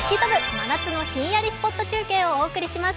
真夏のひんやりスポット中継」をお送りします。